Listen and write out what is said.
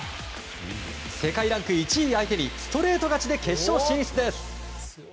世界ランク１位相手にストレート勝ちで決勝進出です。